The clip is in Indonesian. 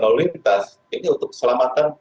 lalu lintas ini untuk keselamatan